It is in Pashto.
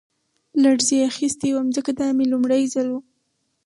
لړزې اخیستی وم ځکه دا مې لومړی ځل و